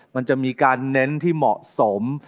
มันจะมีการเน้นที่เหมาะสม